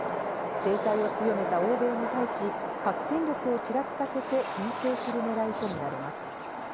制裁を強めた欧米に対し、核戦力をちらつかせて牽制するねらいとみられます。